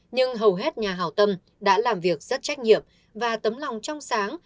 nhưng hầu hết nhà hào tâm đã làm việc rất trách nhiệm và tấm lòng trong sáng